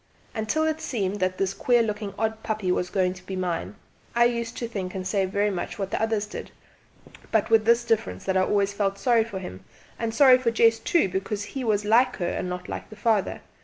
Until it seemed that this queer looking odd puppy was going to be mine I used to think and say very much what the others did but with this difference, that I always felt sorry for him, and sorry for Jess too, because he was like her and not like the father.